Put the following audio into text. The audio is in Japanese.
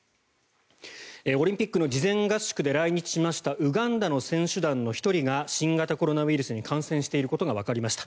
オリンピックの事前合宿で来日しましたウガンダの選手団の１人が新型コロナウイルスに感染していることがわかりました。